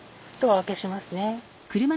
お開けしますね。